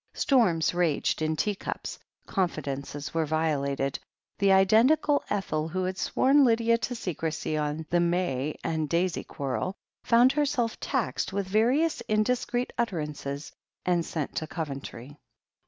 Storms raged in teacups, confidences were violated, the identical Ethel who had sworn Lydia to secrecy THE HEEL OF ACHILLES 39 on the May and Daisy quarrel, found herself taxed with various indiscreet utterances and sent to Coventry.